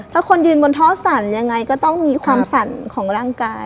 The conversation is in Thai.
ถ้าคนยืนบนท่อสั่นยังไงก็ต้องมีความสั่นของร่างกาย